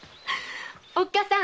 おっかさん